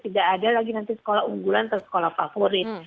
tidak ada lagi nanti sekolah unggulan atau sekolah favorit